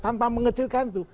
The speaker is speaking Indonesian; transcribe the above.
tanpa mengecilkan itu